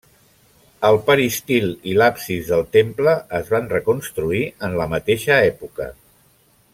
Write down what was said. El peristil i l'absis del temple es van reconstruir en la mateixa època.